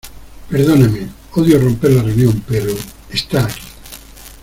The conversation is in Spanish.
Perdóneme. Odio romper la reunión, pero ¡ están aquí!